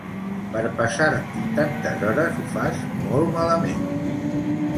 Per passar-t'hi tantes hores ho fas molt malament